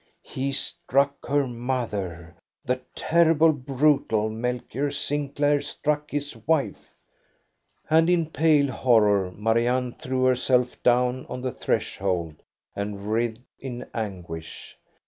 He struck her mother, the terrible brutal Melchior Sinclair struck his wife ! And in pale horror Marianne threw herself down on the threshold and writhed in anguish.